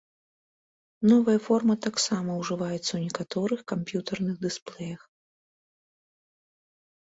Новая форма таксама ўжываецца ў некаторых камп'ютарных дысплеях.